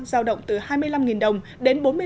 giao động từ hai mươi năm đồng đến